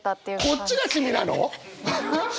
こっちが君なの！？